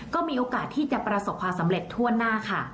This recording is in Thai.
ก็มีโอกาสที่จะประสบความสำเร็จทั่วหน้าค่ะ